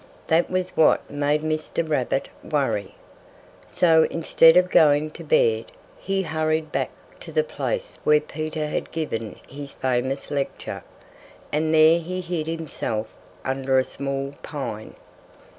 That was what made Mr. Rabbit worry. So instead of going to bed, he hurried back to the place where Peter had given his famous lecture; and there he hid himself under a small pine.